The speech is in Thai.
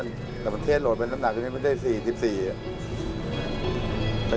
สำหรับประเทศโหลดเป็นน้ำหนักขึ้นไปได้๔๔กิโลเมตร